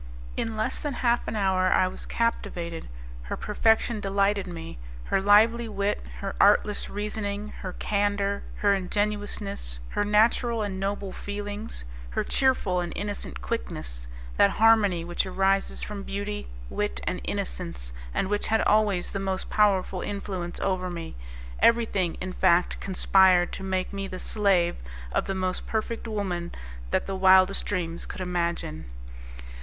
In less than half an hour I was captivated; her perfection delighted me; her lively wit, her artless reasoning, her candour, her ingenuousness, her natural and noble feelings, her cheerful and innocent quickness, that harmony which arises from beauty, wit, and innocence, and which had always the most powerful influence over me everything in fact conspired to make me the slave of the most perfect woman that the wildest dreams could imagine.